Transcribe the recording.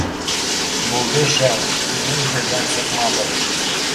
— Булды, шеф, һинең һүҙҙән сыҡмабыҙ